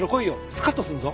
スカッとするぞ。